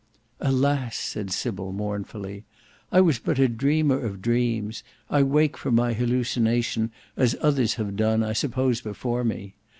"Alas!" said Sybil mournfully, "I was but a dreamer of dreams: I wake from my hallucination as others have done I suppose before me.